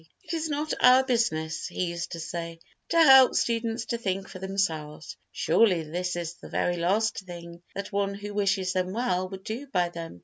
"It is not our business," he used to say, "to help students to think for themselves—surely this is the very last thing that one who wishes them well would do by them.